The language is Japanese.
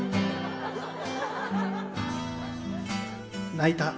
泣いた。